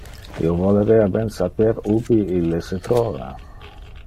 Io volerea ben saper ubi ille se trova!